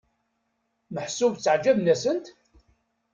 Meḥsub tteɛǧaben-asent?